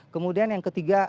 kemudian yang ketiga